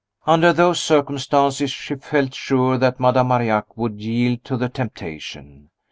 Under those circumstances, she felt sure that Madame Marillac would yield to the temptation.